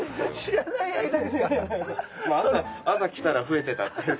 朝来たら増えてたっていう。